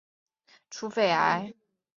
后来就竟然检查出肺癌